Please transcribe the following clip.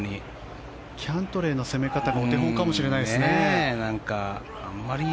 キャントレーの攻め方がお手本かもしれないですね。